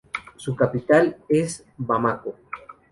Su capital es Bamako.